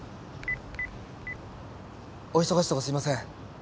お忙しいとこすいません。